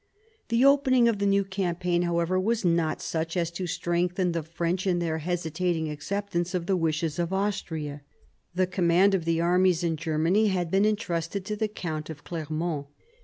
The opening of the new campaign, however, was not such as to strengthen the French in their hesitating accept ance of the wishes of Austria. The command of the armies in Germany had been entrusted to the Count of Clermont.